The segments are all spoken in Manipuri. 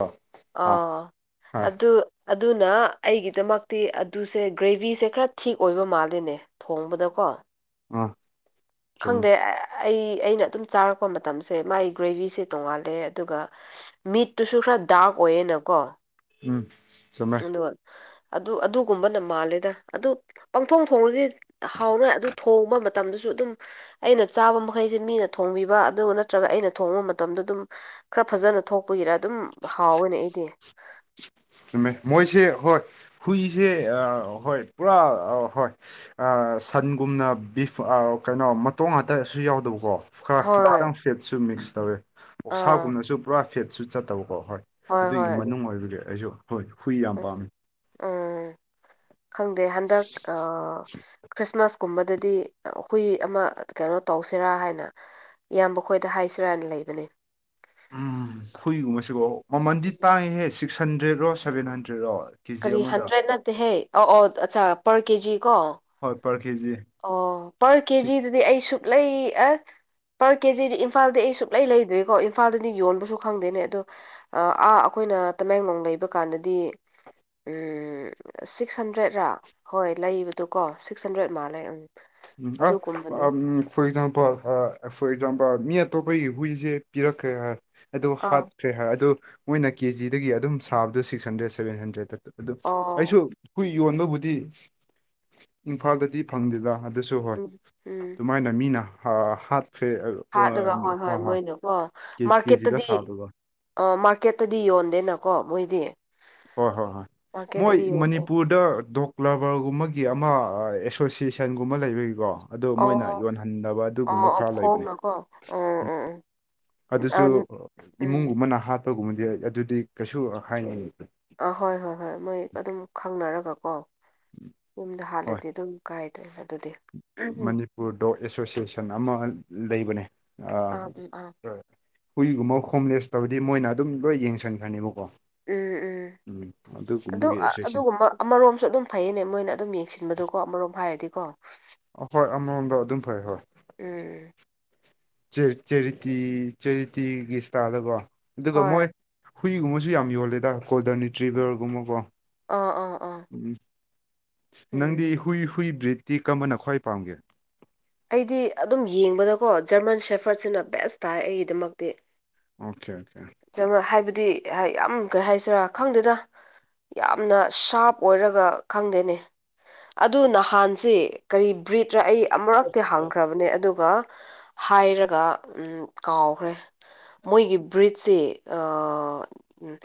ꯑꯥ ꯑꯥ ꯑꯣ ꯑꯗꯨ ꯑ ꯑꯗꯨꯅ ꯑꯩꯒꯤꯗꯃꯛꯇꯤ ꯑꯗꯨꯁꯦ ꯒ꯭ꯔꯦꯕꯤꯁꯦ ꯈꯔ ꯊꯤꯛ ꯑꯣꯏꯕ ꯃꯥꯜꯂꯤꯅꯦ ꯊꯣꯡꯕꯗꯀꯣ ꯑ ꯈꯪꯗꯦ ꯑꯩ ꯑꯩꯅ ꯑꯗꯨꯝ ꯆꯥꯔꯛꯄ ꯃꯇꯝꯁꯦ ꯃꯥꯒꯤ ꯒ꯭ꯔꯦꯕꯤꯁꯦ ꯇꯣꯡꯉꯥꯜꯂꯦ ꯑꯗꯨꯒ ꯃꯤꯠꯇꯨꯁꯨ ꯈꯔ ꯗꯥꯛ ꯑꯣꯏꯌꯦ ꯅꯀꯣ ꯎꯝ ꯆꯨꯝꯃꯦ ꯑꯗꯣ ꯑꯗꯨ ꯑꯗꯨꯒꯨꯝꯕꯅ ꯃꯥꯜꯂꯦꯗ ꯑꯗꯨ ꯄꯪꯊꯣꯡ ꯊꯣꯡꯗꯤ ꯍꯥꯎꯔꯣꯏ ꯑꯗꯨ ꯊꯣꯡꯕ ꯃꯇꯝꯗꯁꯨ ꯑꯗꯨꯝ ꯑꯩꯅ ꯆꯥꯕ ꯃꯈꯩꯁꯦ ꯃꯤꯅ ꯊꯣꯡꯕꯤꯕ ꯑꯗꯨꯒ ꯅꯠꯇ꯭ꯔꯒ ꯑꯩꯅ ꯊꯣꯡꯕ ꯃꯇꯝꯗ ꯑꯗꯨꯝ ꯈꯔ ꯐꯖꯅ ꯊꯣꯛꯄꯒꯤꯔ ꯑꯗꯨꯝ ꯍꯥꯎꯋꯦꯅꯦ ꯑꯩꯗꯤ [inaudible] ꯆꯨꯝꯃꯦ ꯃꯣꯏꯁꯦ ꯍꯣꯏ ꯍꯨꯏꯁꯦ ꯑꯥ ꯍꯣꯏ ꯄꯨꯔꯥ ꯍꯣꯏ ꯑꯥ ꯑꯥ ꯁꯟꯒꯨꯝꯅ ꯕꯤꯐ ꯑꯥ ꯀꯩꯅꯣ ꯃꯇꯣꯡ ꯉꯥꯛꯇꯁꯨ ꯌꯥꯎꯗꯕꯀꯣ ꯈꯔ ꯍꯣꯏ ꯈꯤꯇꯪ ꯐꯦꯠꯁꯨ ꯃꯤꯛꯁ ꯇꯧꯋꯦ ꯑꯥ ꯑꯣꯁꯥꯒꯨꯝꯅꯁꯨ ꯄꯨꯔꯥ ꯐꯦꯠꯁꯨ ꯆꯠꯇꯕ ꯑꯣ ꯍꯣꯏ ꯑꯗꯨꯒꯤ ꯃꯅꯨꯡ ꯑꯣꯏꯕꯒꯤ ꯑꯩꯁꯨ ꯍꯣꯏ ꯍꯨꯏ ꯌꯥꯝ ꯎꯝ ꯄꯥꯝꯃꯤ ꯎꯝ ꯈꯪꯗꯦ ꯍꯟꯗꯛ ꯑꯥ ꯈ꯭ꯔꯤꯁꯃꯥꯁ ꯀꯨꯝꯕꯗꯗꯤ ꯍꯨꯏ ꯑꯃ ꯀꯩꯅꯣ ꯇꯧꯁꯤꯔꯥ ꯍꯥꯏꯅ ꯏꯌꯥꯝꯕ ꯈꯣꯏꯗ ꯍꯥꯏꯁꯤꯔꯥꯅ ꯂꯩ ꯂꯩꯕꯅꯦ ꯎꯝ ꯍꯨꯏꯒꯨꯝꯕꯁꯤꯀꯣ ꯃꯃꯜꯗꯤ ꯇꯥꯡꯏꯍꯦ ꯁꯤꯛꯁ ꯍꯟꯗ꯭ꯔꯦꯠꯔꯣ ꯁꯚꯦꯟ ꯍꯟꯗ꯭ꯔꯦꯗꯔꯣ ꯀꯦꯖꯤ ꯀꯔꯤ ꯑꯃꯗ ꯍꯟꯗ꯭ꯔꯦꯠ ꯅꯠꯇꯦꯍꯦ ꯑꯧ ꯑꯧ ꯑꯆꯥꯥ ꯄꯔ ꯀꯦꯖꯤ ꯀꯣ ꯍꯣꯏ ꯄꯔ ꯀꯦꯖꯤ ꯑꯣ ꯄꯔ ꯀꯦꯖꯤꯗꯗꯤ ꯑꯩ ꯁꯨꯛꯂꯩ ꯑ ꯄꯔ ꯀꯦꯖꯤꯗꯤ ꯏꯝꯐꯥꯜꯗ ꯑꯩ ꯁꯨꯛꯂꯩ ꯂꯩꯗ꯭ꯔꯤꯀꯣ ꯏꯝꯐꯥꯜꯗꯗꯤ ꯌꯣꯟꯕꯁꯨ ꯈꯪꯗꯦꯅꯦ ꯑꯗꯣ ꯑꯥ ꯑꯈꯣꯢ ꯑꯩꯈꯣꯏꯅ ꯇꯃꯦꯡꯂꯣꯡ ꯂꯩꯕ ꯀꯥꯟꯗꯗꯤ ꯎꯝ ꯁꯤꯛꯁ ꯍꯟꯗ꯭ꯔꯦꯗꯔꯥ ꯍꯣꯏ ꯂꯩꯕꯗꯨꯀꯣ ꯁꯤꯛꯁ ꯍꯟꯗ꯭ꯔꯦꯗ ꯃꯥ ꯂꯦ ꯎꯝ ꯎ ꯑꯗꯨꯒꯨꯝꯕꯅꯦ ꯐꯣꯔ ꯑꯦꯛꯖꯥꯄꯜ ꯐꯣꯔ ꯑꯦꯛꯖꯄꯜ ꯃꯤ ꯑꯇꯣꯞꯄꯒꯤ ꯍꯨꯏꯁꯦ ꯄꯤꯔꯛꯈ꯭ꯔꯦ ꯍꯥꯏ ꯑꯗꯨ ꯑꯥ ꯍꯥꯠꯈ꯭ꯔꯦ ꯍꯥꯏ ꯑꯗꯨ ꯃꯣꯏꯅ ꯀꯦꯖꯤꯗꯒꯤ ꯑꯗꯨꯝ ꯁꯥꯕꯗꯣ ꯁꯤꯛꯁ ꯍꯟꯗ꯭ꯔꯦꯗ ꯁꯚꯦꯟ ꯍꯟꯗ꯭ꯔꯦꯗ ꯑꯗꯨ ꯑꯣ ꯑꯩꯁꯨ ꯍꯨꯏ ꯌꯣꯟꯕꯕꯨꯗꯤ ꯏꯝꯐꯥꯜꯗꯗꯤ ꯐꯪꯗꯦꯗꯥ ꯑꯗꯨꯁꯨ ꯍꯣꯏ ꯎꯝ ꯎꯝ ꯑꯗꯨꯃꯥꯏꯅ ꯃꯤꯅ ꯍꯥꯠ ꯍꯥꯠꯂꯒ ꯍꯣꯏ ꯍꯣꯏ ꯃꯣꯏꯗꯨ ꯀꯣ ꯀꯦꯖꯤ ꯀꯦꯖꯤꯗ ꯃꯥꯔꯀꯦꯠꯇꯗꯤ ꯁꯥꯕꯗꯣ ꯑ ꯃꯥꯔꯀꯦꯠꯇꯗꯤ ꯌꯣꯟꯗꯦꯅꯀꯣ ꯃꯣꯏꯗꯤ ꯍꯣꯏ ꯍꯣꯏ ꯍꯣꯏ ꯃꯣꯏ ꯃꯥꯔꯀꯦꯠꯇꯗꯤ ꯌꯣꯟꯗꯦ ꯃꯅꯤꯄꯨꯔꯗ ꯗꯣꯛ ꯂꯕꯔꯒꯨꯝꯕꯒꯤ ꯑꯃ ꯑꯦꯁꯣꯁꯤꯌꯦꯁꯟꯒꯨꯝꯕ ꯂꯩꯕꯒꯤꯀꯣ ꯑꯗꯣ ꯑꯣ ꯃꯣꯏꯅ ꯌꯣꯟꯍꯟꯗꯕ ꯑꯗꯨꯒꯨꯝꯕ ꯑꯣ ꯑꯣ ꯈꯔ ꯂꯩꯕꯅꯦ ꯐꯣꯡꯅꯀꯣ ꯎꯝ ꯎꯝ ꯑꯗꯨꯁꯨ ꯎꯝ ꯎꯝ ꯏꯃꯨꯡꯒꯨꯝꯕꯅ ꯍꯥꯠꯄꯒꯨꯝꯕꯗꯤ ꯑꯗꯨꯗꯤ ꯀꯩꯁꯨ ꯍꯥꯏꯅꯤ ꯑꯥ ꯍꯣꯏ ꯍꯣꯏ ꯍꯣꯏ ꯃꯣꯏ ꯑꯗꯨꯝ ꯈꯪꯅꯔꯒ ꯀꯣ ꯌꯨꯝꯗ ꯍꯣꯏ ꯍꯥꯠꯂꯗꯤ ꯑꯗꯨꯝ ꯀꯥꯏꯗ꯭ꯔꯦ ꯑꯗꯨꯗꯤ ꯎꯝ ꯃꯅꯤꯄꯨꯔ ꯗꯣꯛ ꯑꯦꯁꯣꯁꯤꯌꯦꯁꯟ ꯑꯃ ꯂꯩꯕꯅꯦ ꯑꯥ ꯎꯝ ꯑꯥ ꯍꯨꯏꯒꯨꯝꯕ ꯍꯣꯝꯂꯦꯁ ꯇꯧꯔꯗꯤ ꯃꯣꯏꯅ ꯑꯗꯨꯝ ꯂꯣꯏ ꯌꯦꯡꯁꯤꯟꯈ꯭ꯔꯅꯦꯕꯀꯣ ꯎꯝ ꯎꯝ ꯑꯗꯨ ꯑꯦꯁꯣꯁꯤꯌꯦꯁꯟ ꯑꯗꯨꯒꯨꯝꯕ ꯑꯃꯔꯣꯝꯁꯨ ꯑꯗꯨꯝ ꯐꯩꯌꯦꯅꯦ ꯃꯣꯏꯅ ꯑꯗꯨꯝ ꯌꯦꯡꯁꯤꯟꯕꯗꯨꯀꯣ ꯑꯃꯔꯣꯝ ꯍꯥꯏꯔꯗꯤ ꯑ ꯍꯣꯏ ꯑꯃꯃꯝꯗꯣ ꯑꯗꯨꯝ ꯐꯩ ꯍꯣꯏ ꯎꯝ ꯆꯦ ꯆꯦꯔꯤꯇꯤ ꯆꯦꯔꯤꯇꯤꯒꯤ ꯏꯁꯇꯥꯏꯜꯗꯀꯣ ꯑꯗꯨꯒ ꯃꯣꯏ ꯍꯣꯏ ꯍꯨꯏꯒꯨꯝꯕꯁꯨ ꯌꯥꯝ ꯌꯣꯜꯂꯦꯗ ꯀꯣꯜꯗꯔꯅꯤꯇ꯭ꯔꯤꯚꯔꯒꯨꯝꯕꯀꯣ ꯑꯣ ꯑꯣ ꯎꯝ ꯅꯪꯗꯤ ꯍꯨꯏ ꯍꯨꯏ ꯕ꯭ꯔꯤꯠꯇꯤ ꯀꯝꯕꯅ ꯈ꯭ꯋꯥꯏ ꯄꯥꯝꯒꯦ ꯑꯩꯗꯤ ꯑꯗꯨꯝ ꯌꯦꯡꯕꯗꯀꯣ ꯖꯔꯃꯟ ꯁꯦꯐꯔꯠꯁꯤꯅ ꯕꯦꯁ ꯇꯥꯏ ꯑꯩꯒꯤꯗꯃꯛꯇꯤ ꯑꯣꯀꯦ ꯖꯔꯃꯟ ꯍꯥꯏꯕꯗꯤ ꯌꯥꯝ ꯀꯩ ꯍꯥꯏꯁꯤꯔꯥ ꯈꯪꯗꯦꯗ ꯌꯥꯝꯅ ꯁꯥꯔꯞ ꯑꯣꯏꯔꯒ ꯈꯪꯗꯦꯅꯦ ꯑꯗꯨ ꯅꯍꯥꯟꯁꯦ ꯀꯔꯤ ꯕ꯭ꯔꯤꯠꯔ ꯑꯩ ꯑꯃꯨꯔꯛꯇꯤ ꯍꯡꯈ꯭ꯔꯕꯅꯦ ꯑꯗꯨꯒ ꯍꯥꯏꯔꯒ ꯎꯝ ꯀꯥꯎꯈ꯭ꯔꯦ ꯃꯣꯏꯒꯤ ꯕ꯭ꯔꯤꯠ ꯁꯤ ꯑ ꯎ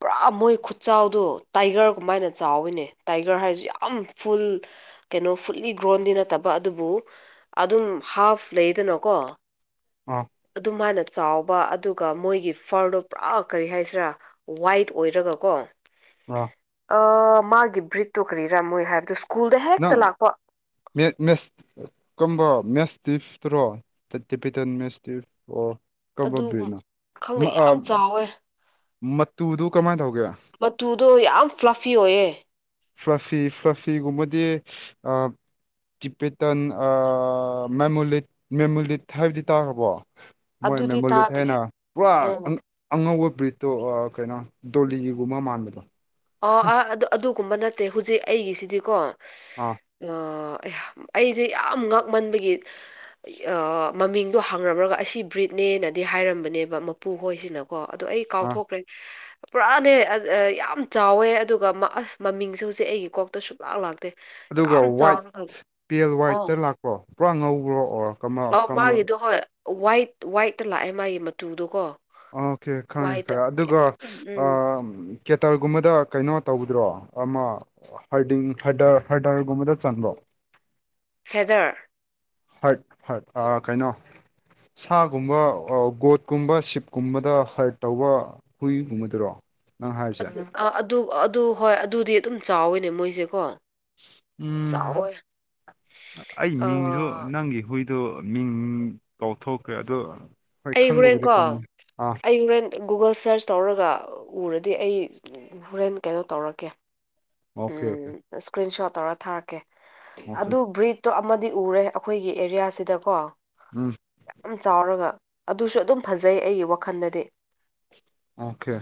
ꯄꯨꯔꯥ ꯃꯣꯏ ꯈꯨꯠꯆꯥꯎꯗꯣ ꯇꯥꯏꯒꯔ ꯒꯨꯃꯥꯏꯅ ꯆꯥꯎꯋꯤꯅꯦ ꯇꯥꯏꯒꯔ ꯍꯥꯏꯔꯤꯁꯤ ꯌꯥꯝ ꯐꯨꯜ ꯀꯩꯅꯣ ꯐꯨꯜꯂꯤ ꯒꯣꯜꯗꯤ ꯅꯠꯇꯕ ꯑꯗꯨꯕꯨ ꯑꯗꯨꯝ ꯍꯥꯐ ꯂꯩꯗꯅꯀꯣ ꯑꯥ ꯑꯗꯨꯝꯍꯥꯏꯅ ꯆꯥꯎꯕ ꯑꯗꯨꯒ ꯃꯣꯏꯒꯤ ꯐꯔꯗꯣ ꯄꯨꯔꯥ ꯀꯔꯤ ꯍꯥꯏꯁꯤꯔꯥ ꯋꯥꯏꯠ ꯑꯣꯏꯔꯒ ꯀꯣ ꯑꯥ ꯑꯥ ꯃꯥꯒꯤ ꯕ꯭ꯔꯤꯠꯇꯨ ꯀꯔꯤꯔꯥ ꯃꯣꯏ ꯍꯥꯏꯕꯗꯨ ꯅꯪ ꯃꯦꯠ ꯃꯦꯁ ꯀꯨꯝꯕ ꯃꯦꯁ ꯇꯤꯐꯇꯨꯔꯣ ꯇ ꯇꯤ ꯄꯇꯟꯃꯦꯁ ꯏꯁꯇꯤꯞ ꯔꯣ ꯀꯝꯕ ꯑꯗꯨꯒꯨꯝ ꯕ꯭ꯔꯤꯗꯅꯣ ꯈꯪꯗꯦ ꯃꯥ ꯑ ꯌꯥꯝ ꯆꯥꯎꯋꯦ ꯃꯇꯨꯗꯨ ꯀꯃꯥꯏꯅ ꯇꯧꯒꯦ ꯑꯗꯨ ꯌꯥꯝ ꯄꯐ꯭ꯂꯤ ꯑꯣꯏꯌꯦ ꯐ꯭ꯔꯥꯁꯤ ꯐ꯭ꯔꯥꯁꯤꯒꯨꯝꯕꯗꯤ ꯑ ꯇꯤꯄꯦꯇꯟ ꯑꯥ ꯃꯦꯃꯨꯂꯤꯠ ꯃꯦꯃꯨꯂꯤꯠ ꯍꯥꯏꯕꯗꯤ ꯇꯥꯈ꯭ꯔꯕꯣ ꯃꯣꯏ ꯑꯗꯨꯗꯤ ꯃꯦꯃꯣꯂꯤꯠ ꯇꯥꯗ꯭ꯔꯤ ꯍꯥꯏꯅ ꯄꯨꯔꯥ ꯎꯝ ꯑꯉꯧꯕ ꯕ꯭ꯔꯤꯇꯣ ꯑꯥ ꯀꯩꯅꯣ ꯗꯣꯂꯤꯒꯨꯝꯕ ꯃꯥꯟꯕꯗꯣ ꯑ ꯑꯥ ꯑꯗꯨ ꯑꯗꯨꯒꯨꯝꯕ ꯅꯠꯇꯦ ꯍꯧꯖꯤꯛ ꯑꯩꯒꯤꯁꯤꯗꯤꯀꯣ ꯑꯥ ꯑꯥ ꯑꯩꯁꯦ ꯌꯥꯝ ꯉꯛꯃꯟꯕꯒꯤꯑꯥ ꯃꯃꯤꯡꯗꯣ ꯍꯪꯉꯝꯔꯒ ꯑꯁꯤ ꯕ꯭ꯔꯤꯠꯅꯤ ꯑꯦ ꯅꯗꯤ ꯍꯥꯏꯔꯝꯕꯅꯦꯕ ꯃꯄꯨ ꯍꯣꯏꯁꯤꯅ ꯀꯣ ꯑꯗꯨ ꯑꯩ ꯑꯥ ꯀꯥꯎꯊꯣꯛꯈ꯭ꯔꯦ ꯄꯨꯔꯥꯅꯦ ꯌꯥꯝ ꯆꯥꯎꯋꯦ ꯑꯗꯨꯒ ꯑꯁ ꯃꯃꯤꯡꯁꯨ ꯍꯧꯖꯤꯛ ꯑꯩꯒꯤ ꯀꯣꯛꯇ ꯁꯨꯡꯛꯂꯥꯛ ꯂꯥꯛꯇꯦ ꯑꯗꯨꯒ ꯌꯥꯝ ꯋꯥꯏꯠ ꯆꯥꯎꯔꯒ ꯄꯦꯜ ꯑꯧ ꯋꯥꯏꯠꯇ ꯂꯥꯛꯄ꯭ꯔꯣ ꯄꯨꯔꯥ ꯉꯧꯕ꯭ꯔꯣ ꯑꯣꯔ ꯀꯝꯕ ꯑꯧ ꯀꯔꯝꯕ ꯃꯥꯒꯤꯗꯣ ꯍꯣꯏ ꯋꯥꯏꯠ ꯋꯥꯏꯠꯇ ꯂꯥꯛꯑꯦ ꯃꯥꯒꯤ ꯃꯇꯨꯗꯣꯀꯣ ꯑꯣꯀꯦ ꯈꯪꯉꯦ ꯋꯥꯏꯠꯇ ꯈꯔ ꯌꯥꯝ ꯑꯗꯨꯒ ꯎꯝ ꯑꯥ ꯀꯦꯇꯜꯒꯨꯝꯕꯗ ꯀꯩꯅꯣ ꯇꯧꯕꯗꯨꯔꯣ ꯑꯃ ꯍꯥꯢꯗꯤꯡ ꯍꯥꯢꯗꯔꯒꯨꯝꯕꯗ ꯆꯟꯕ꯭ꯔꯣ [inaudible] ꯍꯦꯗꯔ ꯍꯣꯏ ꯍꯣꯏ ꯑꯥ ꯀꯩꯅꯣ ꯁꯥꯒꯨꯝꯕ ꯒꯣꯠꯀꯨꯝꯕ ꯁꯤꯞꯀꯨꯝꯕꯗ ꯍꯔꯠ ꯇꯧꯕ ꯍꯨꯏꯒꯨꯝꯕꯗꯨꯔꯣ ꯅꯪ ꯑꯗꯨ ꯍꯥꯏꯔꯤꯁꯦ ꯑꯗꯨ ꯑꯗꯨ ꯍꯣꯏ ꯑꯗꯨꯗꯤ ꯑꯗꯨꯝ ꯆꯥꯎꯋꯤꯅꯦ ꯃꯣꯏꯁꯦꯀꯣ ꯎꯝ ꯆꯥꯎꯋꯦ ꯑꯩ ꯃꯤꯡꯁꯨ ꯑꯥ ꯅꯪꯒꯤ ꯍꯨꯏ ꯑꯗꯨ ꯃꯤꯡ ꯀꯥꯎꯊꯣꯛꯈ꯭ꯔꯦ ꯑꯗꯣ ꯍꯣꯏ ꯑꯩ ꯍꯣꯔꯦꯟ ꯈꯪꯕꯕꯨꯗꯤ ꯀꯣ ꯈꯪꯉꯤ ꯑꯥ ꯑꯩ ꯍꯣꯔꯦꯟ ꯒꯨꯒꯜ ꯁꯔꯁ ꯇꯧꯔꯒ ꯎꯔꯗꯤ ꯑꯩ ꯍꯣꯔꯦꯟ ꯀꯩꯅꯣ ꯇꯧꯔꯛꯀꯦ ꯑꯣꯀꯦ ꯑꯣꯀꯦ ꯎꯝ ꯏꯁꯀ꯭ꯔꯤꯟ ꯁꯣꯠ ꯇꯧꯔ ꯊꯥꯔꯛꯀꯦ ꯑꯣꯀꯦ ꯑꯗꯨ ꯕ꯭ꯔꯤꯗ ꯇꯣ ꯑꯃꯗꯤ ꯎꯔꯦ ꯑꯩꯈꯣꯏꯒꯤ ꯑꯦꯔꯤꯌꯥ ꯁꯤꯗꯀꯣ ꯎꯝ ꯌꯥꯝ ꯆꯥꯎꯔꯒ ꯑꯗꯨꯁꯨ ꯑꯗꯨꯝ ꯐꯖꯩ ꯑꯩꯒꯤ ꯋꯥꯈꯜꯗꯗꯤ ꯑꯣꯀꯦ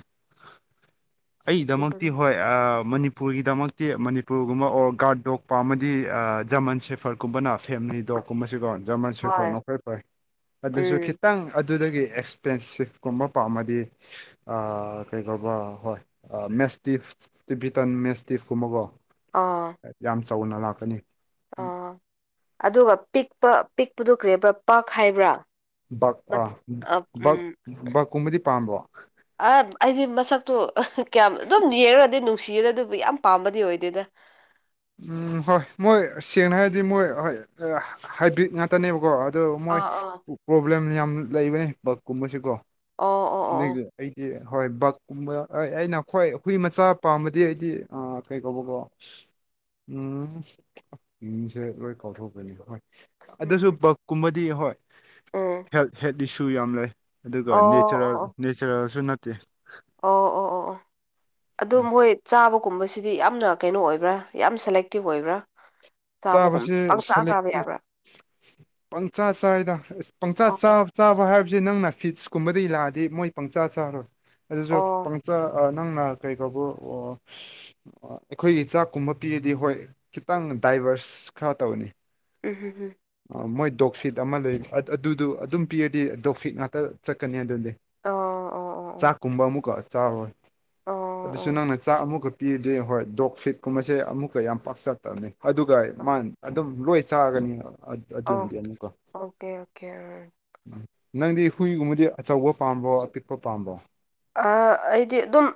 ꯑꯩꯗꯃꯛꯇꯤ ꯍꯣꯏ ꯑꯥ ꯃꯅꯤꯄꯨꯔ ꯃꯅꯤꯄꯨꯔꯒꯤꯗꯃꯛꯇꯤ ꯃꯅꯤꯄꯨꯔꯒꯨꯝꯕ ꯑꯣꯔ ꯒꯥꯔꯗ ꯗꯣꯛ ꯄꯥꯝꯃꯗꯤ ꯖꯃꯟ ꯁꯦꯐꯔ ꯀꯨꯝꯕꯅ ꯐꯦꯝꯅꯤꯗꯣ [unintelligible] ꯖꯔꯃꯟ ꯍꯣꯏ ꯁꯦꯐꯔꯅ ꯈ꯭ꯋꯥꯏ ꯐꯩ ꯑꯗꯨꯁꯨ ꯎꯝ ꯈꯤꯇꯪ ꯑꯗꯨꯗꯒꯤ ꯑꯦꯛꯁꯄꯦꯟꯁꯤꯞ ꯀꯨꯝꯕ ꯄꯥꯝꯃꯗꯤ ꯍꯥꯏꯗꯤ ꯀꯩꯕ ꯍꯣꯏ ꯃꯦꯁꯇꯤꯞ ꯇꯤꯚꯤꯇꯟ ꯃꯦꯁꯇꯤꯐ ꯀꯨꯝꯕꯀꯣ ꯑꯥ ꯆꯥꯎꯅ ꯂꯥꯛꯀꯅꯤ ꯑ ꯑꯗꯨꯒ ꯄꯤꯛꯄ ꯄꯤꯛꯄꯗꯨ ꯀꯔꯤ ꯍꯥꯏꯕ꯭ꯔꯥ ꯄꯥꯛ ꯍꯥꯏꯕ꯭ꯔꯥ ꯕꯛ ꯑ ꯃꯆ ꯑ ꯎꯝ ꯕꯛ ꯕꯛ ꯀꯨꯝꯕꯗꯤ ꯄꯥꯝꯕꯔꯣ ꯑ ꯑꯩꯗꯤ ꯃꯁꯛꯇꯣ ꯀꯌꯥꯝ ꯑꯗꯨꯝ ꯌꯦꯡꯔꯗꯤ ꯅꯨꯡꯁꯤꯗ ꯑꯗꯨꯕꯨ ꯌꯥꯝ ꯄꯥꯝꯕꯗꯤ ꯑꯣꯏꯗꯦꯗ [inaudible] ꯎꯝ ꯍꯣꯏ ꯃꯣꯏ ꯁꯦꯡꯅ ꯍꯥꯏꯔꯗꯤ ꯃꯣꯏ ꯍꯣꯏ ꯍꯥꯏꯕ꯭ꯔꯤꯠ ꯉꯥꯛꯇꯅꯦꯕꯀꯣ ꯑꯗꯣ ꯃꯣꯏ ꯑꯥ ꯑꯥ ꯄ꯭ꯔꯣꯕ꯭ꯂꯦꯝ ꯌꯥꯝ ꯂꯩꯕꯅꯦ ꯕꯛꯀꯨꯝꯕꯁꯤꯀꯣ ꯑꯣ ꯑꯣ ꯑꯣ ꯑꯣ ꯑꯗꯨꯒꯤ ꯑꯩꯗꯤ ꯍꯣꯏ ꯕꯛꯀꯨꯝꯕ ꯑꯩꯅ ꯈ꯭ꯋꯥꯏ ꯍꯨꯏ ꯃꯆꯥ ꯄꯥꯝꯃꯥꯗꯤ ꯑꯩꯗꯤ ꯀꯩ ꯀꯧꯕꯀꯣ ꯎꯝ ꯃꯤꯡꯁꯦ ꯂꯣꯏ ꯀꯥꯎꯊꯣꯛꯀꯅꯤ ꯍꯣꯏ ꯑꯗꯨꯁꯨ ꯎꯝ ꯕꯛꯀꯨꯝꯕꯗꯤ ꯗꯤ ꯍꯣꯏ ꯎꯝ ꯍꯦꯜꯗ ꯍꯦꯜꯗ ꯏꯁꯨ ꯌꯥꯝ ꯂꯩ ꯑꯗꯨꯒ ꯑꯣ ꯑꯣ ꯅꯦꯆꯔꯦꯜ ꯅꯦꯆꯔꯦꯜꯁꯨ ꯅꯠ ꯑꯗꯣ ꯃꯣꯏ ꯆꯥꯕꯒꯨꯝꯕꯁꯤꯗꯤ ꯌꯥꯝꯅ ꯀꯩꯅꯣ ꯑꯣꯏꯕ꯭ꯔꯥ ꯌꯥꯝ ꯁꯦꯂꯦꯛꯇꯤꯞ ꯑꯣꯏꯕ꯭ꯔꯥ ꯆꯥꯕꯒꯨꯝꯕ ꯆꯥꯕꯁꯤ ꯄꯪꯆꯥ ꯆꯥꯕ ꯁꯦꯂꯦꯛꯇꯤꯚ ꯌꯥꯕ꯭ꯔꯥ ꯄꯪꯆꯥ ꯆꯥꯢꯗ ꯄꯪꯆꯥ ꯑꯣ ꯆ ꯆꯕ ꯍꯥꯏꯕ ꯥꯅꯪꯅ ꯐꯤꯠꯁꯀꯨꯝꯕꯗꯩꯩ ꯂꯥꯛꯑꯗꯤ ꯃꯣꯏ ꯄꯪꯆꯥ ꯆꯥꯔꯣꯏ ꯑꯗꯨꯁꯨ ꯑꯣ ꯄꯪꯆꯥ ꯅꯪꯅ ꯀꯧꯕꯔꯥ ꯑꯩꯈꯣꯏꯒꯤ ꯆꯥꯛꯀꯨꯝꯕ ꯄꯤꯔꯗꯤ ꯍꯣꯏ ꯈꯤꯇꯪ ꯗꯥꯥꯏꯚꯔꯁ ꯈꯔꯥ ꯇꯧꯏ ꯎꯍꯨꯝꯍꯨꯝ ꯃꯣꯏ ꯗꯣꯛ ꯐꯤꯠ ꯑꯃ ꯂꯩ ꯑꯗꯨꯗꯣ ꯑꯗꯨꯝ ꯄꯤꯔꯗꯤ ꯗꯣꯛ ꯐꯤꯠ ꯉꯥꯛꯇ ꯆꯠꯀꯅꯤ ꯑꯗꯨꯗꯤ ꯑꯣ ꯆꯥꯛꯀꯨꯝꯕ ꯑꯃꯨꯛꯀ ꯆꯥꯔꯣꯏ ꯑꯣ ꯑꯗꯨꯁꯨ ꯑꯣ ꯅꯪꯅ ꯆꯥꯛ ꯑꯃꯨꯛꯀ ꯄꯤꯔꯗꯤ ꯍꯣꯏ ꯗꯣꯛ ꯐꯤꯠ ꯀꯨꯝꯕꯁꯦ ꯑꯃꯨꯛꯀ ꯌꯥꯝ ꯄꯥꯛꯆ ꯆꯥꯔꯣꯏ ꯑꯗꯨꯒ ꯃꯥꯅ ꯑꯗꯨꯝ ꯂꯣꯏ ꯆꯥꯒꯅꯤ ꯑꯗꯨꯅꯗꯤ ꯑꯃꯨꯛꯀ ꯑꯣꯀꯦ ꯑꯣꯀꯦ ꯅꯪꯗꯤ ꯍꯨꯏꯒꯨꯝꯕꯗꯤ ꯑꯆꯧꯕ ꯄꯥꯝꯕ꯭ꯔꯣ ꯑꯄꯤꯛꯄ ꯄꯥꯝꯕ꯭ꯔꯣ ꯑ ꯑꯩꯗꯤ ꯑꯗꯨꯝ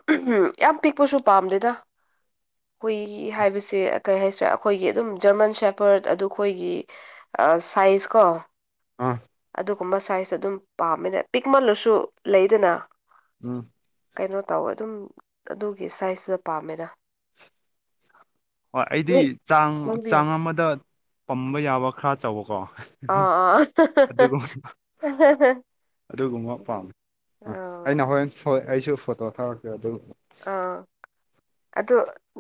ꯌꯥꯝ ꯄꯤꯛꯄꯁꯨ ꯄꯥꯝꯗꯦꯗ ꯍꯨꯏ ꯍꯥꯏꯕꯁꯦ ꯀꯔꯤ ꯍꯥꯏꯁꯤꯔ ꯑꯩꯈꯣꯏꯒꯤ ꯑꯗꯨꯝ ꯖꯔꯃꯟ ꯁꯦꯐꯔꯗ ꯑꯗꯨ ꯈꯣꯏꯒꯤ ꯁꯥꯏꯖ ꯀꯣ ꯎꯝ ꯑꯗꯨꯒꯨꯝꯕ ꯁꯥꯏꯖ ꯑꯗꯨꯝ ꯄꯥꯝꯃꯤꯗ ꯄꯤꯛꯃꯜꯂꯁꯨ ꯂꯩꯗꯅ ꯎꯝ ꯀꯩꯅꯣ ꯇꯧꯋꯦ ꯑꯗꯨꯝ ꯑꯗꯨꯒꯤ ꯁꯥꯏꯖꯇꯨꯗ ꯄꯥꯝꯃꯦꯗ ꯍꯣꯏ ꯑꯩꯗꯤ ꯅꯣꯏ ꯆꯥꯡ ꯅꯪꯗꯤ ꯆꯥꯡ ꯑꯃꯗ ꯄꯝꯕ ꯌꯥꯕ ꯈꯔ ꯆꯥꯎꯕꯀꯣ ꯑꯗꯨꯒꯨꯝ [unintelligible] ꯑꯗꯨꯒꯨꯝꯕ ꯄꯥꯝꯃꯤ ꯑ ꯑꯥ ꯑꯩꯅ ꯍꯣꯔꯦꯟ ꯑꯩꯁꯨ ꯐꯣꯇꯣ ꯊꯥꯔꯛꯀꯦ ꯑꯗꯨ ꯑꯥ ꯑꯗꯨ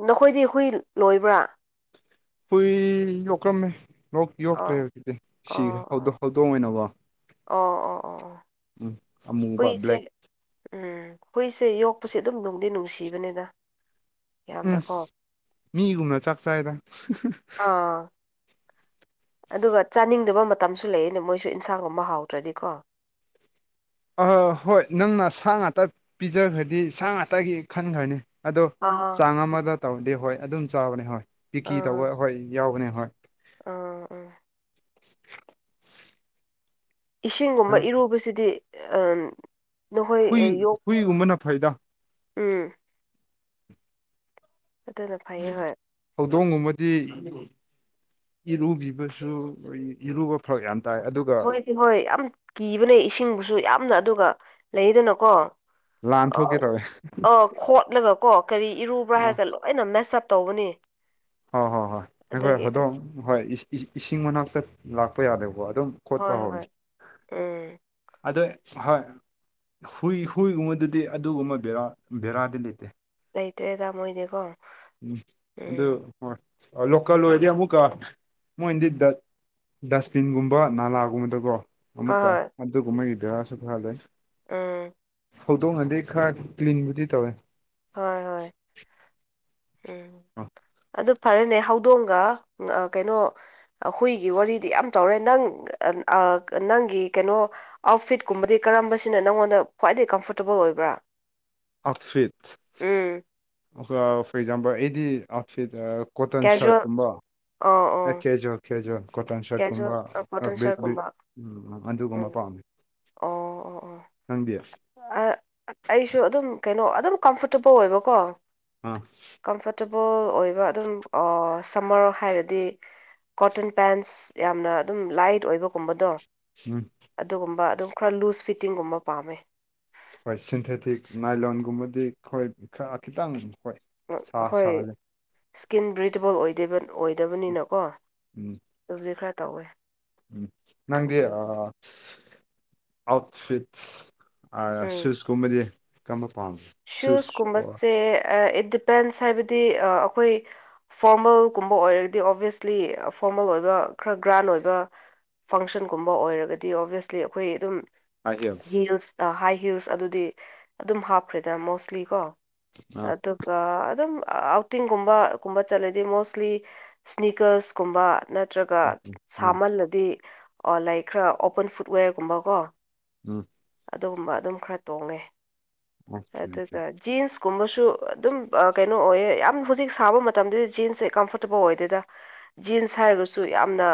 ꯅꯈꯣꯏꯗꯤ ꯍꯨꯏ ꯂꯣꯏꯕ꯭ꯔꯥ ꯍꯨꯏ ꯌꯣꯛꯀ꯭ꯔꯝꯃꯦ ꯌꫭꯛ ꯑꯣ ꯌꯣꯛꯇ꯭ꯔꯦ ꯍꯧꯖꯤꯛꯗꯤ ꯁꯤꯒ꯭ꯔꯦ [unintelligible] ꯑꯣ ꯍꯧꯗꯣꯡ ꯑꯣꯏꯅꯀꯣ ꯑꯣ ꯑꯣ ꯑꯣ ꯎꯝ ꯑꯃꯨꯕ ꯍꯨꯏꯁꯦ ꯕ꯭ꯂꯦꯛ ꯎꯝ ꯍꯨꯏꯁꯦ ꯌꯣꯛꯄꯁꯦ ꯑꯗꯨꯝ ꯅꯨꯡꯗꯤ ꯅꯨꯡꯁꯤꯕꯅꯦꯗ [unintelligible] ꯃꯤꯒꯨꯝꯅ ꯆꯥꯛ ꯆꯥꯥꯏꯗ [unintelligible] ꯑꯥ ꯑꯗꯨꯒ ꯆꯥꯅꯤꯡꯗꯕ ꯃꯇꯝꯁꯨ ꯂꯩꯌꯦꯅꯦ ꯃꯣꯏꯁꯨ ꯏꯟꯁꯥꯡ ꯒꯨꯝꯕ ꯍꯥꯎꯇ꯭ꯔꯗꯤꯀꯣ ꯑ ꯍꯣꯏ ꯅꯪꯅ ꯁꯥ ꯉꯥꯛꯇ ꯄꯤꯖꯈ꯭ꯔꯗꯤ ꯁꯥ ꯉꯥꯛꯇꯒꯤ ꯈꯟꯈ꯭ꯔꯅꯤ ꯑꯗꯣ ꯑꯥ ꯆꯥꯡ ꯑꯃꯗ ꯇꯧꯔꯗꯤ ꯍꯣꯏ ꯑꯗꯨꯝ ꯆꯥꯕꯅꯦ ꯍꯣꯏ ꯄꯤꯀꯤ ꯇꯧꯕ ꯍꯣꯏ ꯌꯥꯎꯕꯅꯦ ꯍꯣꯏ ꯑ ꯑ [inaudible] ꯏꯁꯤꯡꯒꯨꯝꯕ ꯅꯪ ꯏꯔꯨꯕꯁꯤꯗꯤ [unintelligible] ꯍꯨꯏ ꯑ, ꯌꯣꯛ ꯍꯨꯏꯒꯨꯝꯕꯅ ꯐꯩꯗ ꯎꯝ ꯑꯗꯨꯅ ꯐꯩꯌꯦ ꯍꯣꯏ ꯍꯧꯗꯣꯡꯒꯨꯝꯕꯗꯤ ꯏꯔꯨꯕꯤꯕꯁꯨ ꯏꯔꯨꯕ ꯐꯔꯛ ꯌꯥꯝ ꯇꯥꯏ ꯑꯗꯨꯒ ꯃꯣꯏꯗꯤ ꯍꯣꯏ ꯌꯥꯝ ꯀꯤꯕꯅꯦ ꯏꯁꯤꯡꯕꯨꯁꯨ ꯌꯥꯝꯅ ꯑꯗꯨꯒ ꯂꯩꯗꯅꯀꯣ ꯂꯥꯟ ꯊꯣꯛꯀꯦ ꯇꯧꯋꯦ [unintelligible] ꯑꯣ ꯈꯣꯠꯂꯒ ꯀꯣ ꯀꯔꯤ ꯏꯔꯨꯕ꯭ꯔ ꯑ ꯍꯥꯏꯔꯒ ꯂꯣꯏꯅ ꯃꯦꯁ ꯑꯞ ꯇꯧꯕꯅꯦ ꯍꯣꯏ ꯍꯣꯏ ꯍꯣꯏ ꯑꯩꯈꯣꯏ ꯍꯧꯗꯣꯡ ꯍꯣꯏ ꯏꯁꯤꯡ ꯃꯅꯥꯛꯇ ꯂꯥꯛꯄ ꯌꯥꯗꯦꯕꯀꯣ ꯑꯗꯨꯝ ꯈꯣꯠꯄ ꯍꯣꯏ ꯍꯣꯏ ꯍꯧꯔꯅꯤ ꯎꯝ ꯑꯗꯩ ꯍꯣꯏ ꯍꯨꯏ ꯍꯨꯏꯒꯨꯝꯕꯗꯗꯤ ꯑꯗꯨꯒꯨꯝꯕ ꯕꯦꯔꯥ ꯕꯦꯔꯥꯗꯤ ꯂꯩꯇꯦ ꯂꯩꯇꯦꯗ ꯃꯣꯏꯗꯤꯀꯣ ꯎꯝ ꯑꯗꯨ ꯎꯝ ꯂꯣꯀꯦꯜ ꯑꫭꯏꯔꯗꯤ ꯑꯃꯨꯛꯀ ꯃꯣꯏꯅꯗꯤ [unintelligible] ꯗꯁꯕꯤꯟꯒꯨꯝꯕ ꯅꯥꯂꯥꯒꯨꯝꯕꯗꯀꯣ ꯍꯣꯏ ꯑꯃꯨꯛꯀ ꯍꯣꯏ ꯑꯗꯨꯒꯨꯝꯕꯒꯤ ꯕꯦꯔꯥꯁꯨ ꯈꯔ ꯂꯩ ꯎꯝ ꯍꯧꯗꯣꯡꯅꯗꯤ ꯈꯔ ꯀ꯭ꯂꯤꯟꯕꯨꯗꯤ ꯇꯧꯋꯦ ꯍꯣꯏ ꯍꯣꯏ ꯎꯝ ꯑꯗꯨ ꯐꯔꯦꯅꯦ ꯍꯧꯗꯣꯡꯒ ꯀꯩꯅꯣ ꯍꯨꯏꯒꯤ ꯋꯥꯔꯤꯗꯤ ꯌꯥꯝ ꯇꯧꯔꯦ ꯅꯪ ꯑ ꯑ ꯅꯪꯒꯤ ꯀꯩꯅꯣ ꯑꯥꯎꯠꯐꯤꯠꯀꯨꯝꯕꯗꯤ ꯀꯔꯝꯕꯁꯤꯅ ꯅꯪꯉꯣꯟꯗ ꯈ꯭ꯋꯥꯏꯗꯩ ꯀꯝꯐꯣꯔꯇꯦꯕꯜ ꯑꯣꯏꯕ꯭ꯔ ꯑꯥꯎꯠꯐꯤꯠ [unintelligible] ꯐꯣꯔ ꯑꯦꯛꯖꯥꯝꯄꯜ ꯑꯩꯗꯤ ꯑꯥꯎꯠꯐꯤꯠ ꯑ ꯀꯣꯇꯟ ꯀꯦꯖꯨꯋꯦꯜ ꯁꯔꯠꯀꯨꯝꯕ ꯑꯣ ꯑꯣ ꯑꯦ ꯀꯦꯖ꯭ꯋꯦꯜ ꯀꯦꯖ꯭ꯋꯦꯜ ꯀꯣꯇꯟ ꯁꯔꯠꯀꯨꯝꯕ ꯀꯦꯖꯨꯋꯦꯜ ꯀꯣꯇꯟ ꯁꯔꯠꯀꯨꯝꯕ [unintelligible] ꯑꯗꯨꯒꯨꯝꯕ ꯄꯥꯝꯃꯦ ꯅꯪꯗꯤ ꯑ ꯑꯩꯁꯨ ꯑꯗꯨꯝ ꯀꯩꯅꯣ ꯑꯗꯨꯝ ꯀꯝꯐꯣꯔꯇꯦꯕꯜ ꯑꯣꯏꯕꯀꯣ ꯑꯥ [unintelligible] ꯑꯣꯏꯕ ꯑꯗꯨꯝ ꯑꫭ ꯁꯝꯃꯔ ꯍꯥꯏꯔꯗꯤ ꯀꯣꯇꯟ ꯄꯦꯟ ꯑꯁ ꯌꯥꯝꯅ ꯑꯗꯨꯝ ꯂꯥꯏꯠ ꯑꯣꯏꯕꯒꯨꯝꯕꯗꯣ ꯎꯝ ꯑꯗꯨꯒꯨꯝꯕ ꯑꯗꯨꯝ ꯈꯔ ꯂꯨꯁ ꯐꯤꯠꯇꯤꯡꯒꯨꯝꯕ ꯄꯥꯝꯃꯦ ꯍꯣꯏ ꯁꯤꯟꯊꯦꯊꯤꯛ ꯅꯥꯏꯂꯣꯟꯒꯨꯝꯕꯗꯤ ꯑꯈꯣꯏ [unintelligible] ꯈꯤꯇꯪ ꯍꯣꯏ ꯆꯥ ꯍꯣꯏ ꯁꯥꯍꯜꯂꯦ ꯏꯁꯀꯤꯟ ꯕ꯭ꯔꯤꯗꯦꯕꯜ ꯑꯣꯏꯗꯦꯕ ꯑꯣꯢꯗꯕꯅꯤꯅꯀꯣ ꯎꯝ ꯑꯗꯨꯕꯨꯗꯤ ꯈꯔ ꯇꯧꯋꯦ ꯎꯝ ꯅꯪꯗꯤ ꯑꯗꯨꯕꯨ ꯑꯥ ꯑꯥꯎꯠꯐꯤꯠ ꯑ ꯁꯨꯁ ꯀꯨꯝꯕꯗꯤ ꯀꯝꯕ ꯁꯨꯁ ꯀꯨꯝꯕꯁꯦ ꯑ ꯏꯗꯤꯄꯦꯟꯁ ꯍꯥꯏꯕꯗꯤ ꯑꯩꯈꯣꯏ ꯐꯣꯔꯃꯦꯜꯒꯨꯝꯕ ꯑꯣꯏꯔꯗꯤ ꯑꯣꯕ꯭ꯌꯁꯂꯤ ꯐꯣꯔꯃꯦꯜ ꯑꯣꯏꯕ ꯈꯔ ꯒ꯭ꯔꯥꯟ ꯑꯣꯏꯕ ꯐꯪꯁꯟꯒꯨꯝꯕ ꯑꯣꯏꯔꯒꯗꯤ ꯑꯣꯕ꯭ꯌꯁꯂꯤ ꯑꯈꯣꯏ ꯑꯗꯨꯝ ꯍꯤꯜꯁ ꯍꯥꯏ ꯍꯤꯜꯁ ꯑꯗꯨꯗꯤ ꯑꯗꯨꯝ ꯍꯥꯞꯈ꯭ꯔꯦꯗ ꯃꯣꯁꯂꯤ ꯀꯣ ꯑꯥ ꯑꯗꯨꯒ ꯑꯗꯨꯝ ꯑꯥꯎꯇꯤꯡꯒꯨꯝꯕ ꯒꯨꯝꯕ ꯆꯠꯂꯗꯤ ꯃꯣꯁꯂꯤ ꯁ꯭ꯅꯤꯀꯜꯁꯀꯨꯝꯕ ꯅꯠ ꯎꯝ ꯅꯠꯇ꯭ꯔꯒ ꯎꯝ ꯑꯥ ꯁꯥꯃꯜꯂꯗꯤ ꯑꯣ ꯂꯩ ꯈꯔ ꯑꯣꯄꯟ ꯐꯨꯗꯋꯦꯔꯒꯨꯝꯕꯀꯣ ꯎꯝ ꯑꯗꯨꯒꯨꯝꯕ ꯑꯗꯨꯝ ꯈꯔ ꯇꯣꯡꯉꯦ ꯑꯣꯀꯦ ꯑꯣꯀꯦ ꯑꯗꯨꯒ ꯖꯤꯟꯁ ꯀꯨꯝꯕꯁꯨ ꯑꯗꯨꯝ ꯀꯩꯅꯣ ꯑꯣꯏꯌꯦ ꯌꯥꯝ ꯍꯧꯖꯤꯛ ꯁꯥꯕ ꯃꯇꯝꯗꯗꯤ ꯖꯤꯟꯁꯁꯦ ꯀꯝꯐꯣꯔꯇꯦꯕꯜ ꯑꯣꯏꯗꯦꯗ ꯖꯤꯟꯁ ꯍꯥꯏꯔꯒꯁꯨ ꯌꯥꯝꯅ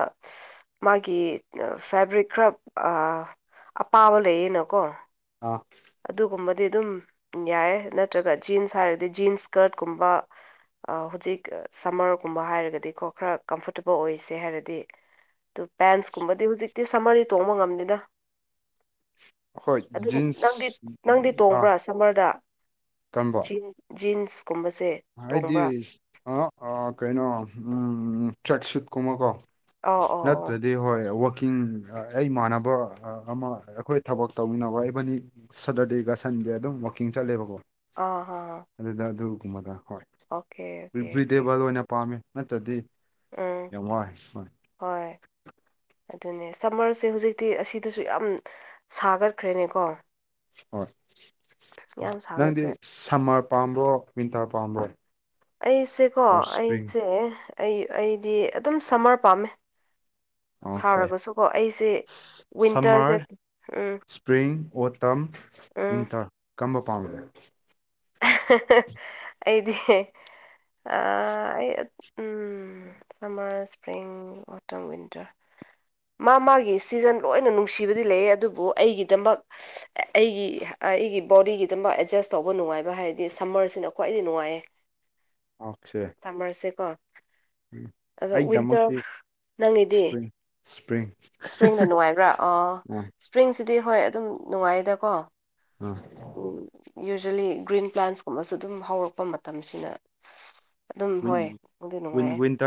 ꯃꯥꯒꯤ ꯐꯦꯕ꯭ꯔꯤꯛ ꯈꯔ ꯑ ꯑꯄꯥꯕ ꯂꯩꯌꯦꯅꯀꯣ ꯑꯥ ꯗꯤ ꯑꯗꯨꯝ ꯌꯥꯏꯌꯦ ꯅꯠꯇ꯭ꯔꯒ ꯖꯤꯟꯁ ꯍꯥꯏꯔꯗꯤ ꯖꯤꯟꯁ ꯁ꯭ꯀꯔꯠꯀꯨꯝꯕ ꯑꯥ ꯍꯧꯖꯤꯛ ꯁꯝꯃꯔꯒꯨꯝꯕ ꯍꯥꯏꯔꯒꯗꯤꯀꯣ ꯈꯔ ꯀꯝꯐꯣꯔꯇꯦꯕꯜ ꯑꯣꯏꯁꯦ ꯍꯥꯏꯔꯗꯤ ꯑꯗꯨ ꯄꯦꯟꯁꯀꯨꯝꯕꯗꯤ ꯍꯧꯖꯤꯛꯇꯤ ꯁꯝꯃꯔꯗꯤ ꯇꯣꯡꯕ ꯉꯝꯗꯦꯗ ꯍꯣꯏ ꯑꯗꯨ ꯅꯪꯗꯤ ꯖꯤꯟꯁ ꯅꯪꯗꯤ ꯑꯥ ꯇꯣꯡꯕ꯭ꯔꯥ ꯁꯝꯃꯔꯗ ꯖꯤꯟ ꯖꯤꯟꯁ ꯍꯥꯏꯗꯤ ꯑ ꯑꯥ ꯀꯩꯅꯣ ꯎꯝ ꯇ꯭ꯔꯦꯛ ꯁꯨꯠꯀꯨꯝꯕ ꯀꯣ ꯑꯣ ꯑꯣ ꯑꯣ ꯅꯠꯇ꯭ꯔꯗꯤ ꯍꯣꯏ ꯀꯤꯡ ꯑꯩꯃꯥꯟꯅꯕ ꯑꯃ ꯑꯩꯈꯣꯏ ꯊꯕꯛ ꯇꯧꯃꯤꯟꯅꯕ ꯏꯕꯥꯅꯤ ꯁꯇꯔꯗꯦꯒ ꯁꯟ ꯗꯤ ꯑꯗꯨꯝ ꯋꯥꯀꯤꯡ ꯆꯠꯂꯦꯕꯀꯣ ꯑ ꯑ ꯒꯨꯨꯝꯕꯗ ꯍꯣꯏ ꯑꯣꯀꯦ ꯚ꯭ꯔꯤꯗꯦꯕꯜ ꯑꯣꯏꯅ ꯄꯥꯝꯃꯤ ꯅꯠꯇ꯭ꯔꯗꯤ ꯎꯝ ꯌꯥꯝ ꯋꯥꯢ ꯍꯣꯏ ꯑꯗꯨꯅꯦ ꯁꯝꯃꯔꯁꯦ ꯍꯧꯖꯤꯛꯇꯤ ꯑꯁꯤꯗꯁꯨ ꯌꯥꯝ ꯁꯥꯒꯠꯈ꯭ꯔꯦꯅꯦꯀꯣ ꯍꯣꯏ ꯌꯥꯝ ꯅꯪꯗꯤ ꯁꯥꯒꯠꯈ꯭ꯔꯦ ꯁꯝꯃꯔ ꯄꯥꯝꯕ꯭ꯔꯣ ꯋꯤꯟꯇꯔ ꯄꯥꯝꯕ꯭ꯔꯣ ꯑꯩꯁꯦꯀꯣ ꯑꯣ ꯁꯄ꯭ꯔꯤꯡ ꯑꯩꯁꯦ ꯑꯩ ꯑꯩꯗꯤ ꯑꯗꯨꯝ ꯁꯝꯃꯔ ꯄꯥꯝꯃꯦ ꯑꯣꯀꯦ ꯁꯥꯔꯒꯁꯨꯀꯣ ꯑꯩꯁꯦ ꯋꯤꯟꯇꯔꯁꯦ summer um spring autumn um winter ꯀꯝꯕ ꯄꯥꯝꯒꯦ ꯑ ꯍ ꯍꯥ ꯑꯩꯗꯤ ꯑ ꯑꯩ um um summer spring autumn winter ꯃꯥ ꯃꯥꯒꯤ ꯁꯤꯖꯟ ꯂꯣꯏꯅ ꯅꯨꯡꯁꯤꯕꯗꯤ ꯂꯩ ꯑꯗꯨꯕꯨ ꯑꯩꯒꯤꯗꯃꯛ ꯑꯩꯒꯤ ꯑꯩꯒꯤ ꯕꯣꯗꯤꯒꯤꯗꯃꯛ ꯑꯦꯗꯖꯁ ꯇꯧꯕ ꯅꯨꯡꯉꯥꯏꯕ ꯍꯥꯏꯔꯗꯤ ꯁꯝꯃꯔꯁꯤꯅ ꯈ꯭ꯋꯥꯏꯗꯒꯤ ꯅꯨꯡꯉꯥꯏꯌꯦ ꯑꯣꯀꯦ ꯁꯝꯃꯔꯁꯦꯀꯣ ꯑꯗ ꯋꯤꯟꯇꯔ ꯑꯩꯒꯤꯗꯃꯛꯇꯤ ꯅꯪꯉꯤꯗꯤ ꯁꯄ꯭ꯔꯤꯡ ꯁꯄ꯭ꯔꯤꯡ ꯏꯁꯄ꯭ꯔꯤꯡꯅ ꯅꯨꯡꯉꯥꯏꯕ꯭ꯔꯥ ꯑꯣ ꯑꯥ ꯏꯁꯄ꯭ꯔꯤꯡꯁꯤꯗꯤ ꯍꯣꯏ ꯑꯗꯨꯝ ꯅꯨꯡꯉꯥꯏꯗꯀꯣ ꯑꯥ ꯌꯨꯖ꯭ꯋꯦꯂꯤ ꯒ꯭ꯔꯤꯟ ꯄ꯭ꯂꯥꯟꯁꯀꯨꯝꯕꯁꯨ ꯑꯗꯨꯝ ꯍꯧꯔꯛꯄ ꯃꯇꯝꯁꯤꯅ ꯑꯗꯨꯝ ꯋꯤꯟ ꯍꯣꯏ ꯑꯗꯨ ꯋꯤꯟ ꯅꯨꯡꯉꯥꯏꯌꯦ ꯋꯤꯟꯇꯔ